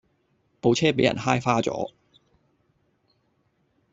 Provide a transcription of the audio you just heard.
部車比人揩花左